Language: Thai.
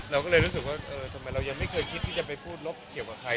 เราก็เลยรู้สึกว่าเออทำไมเรายังไม่เคยคิดที่จะไปพูดลบเกี่ยวกับใคร